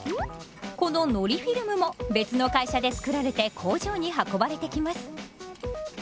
こののりフィルムも別の会社で作られて工場に運ばれてきます。